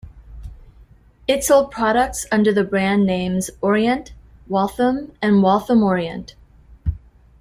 It sold products under the brand names Orient, Waltham, and Waltham-Orient.